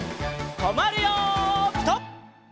とまるよピタ！